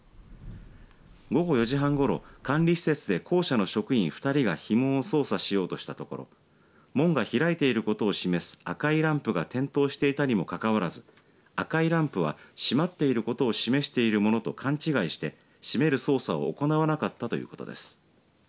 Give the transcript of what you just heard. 午後４時半ごろ管理施設で公社の職員２人がひ門を操作しようとしたところ門が開いていることを示す赤いランプが点灯していたにもかかわらず赤いランプは締まっていることを示しているものと勘違いして閉める操作を行わなかったということです。